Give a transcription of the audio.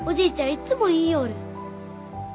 いっつも言いようる。